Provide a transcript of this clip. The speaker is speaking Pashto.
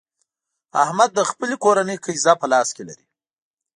احمد د خپلې کورنۍ قېزه په خپل لاس کې لري.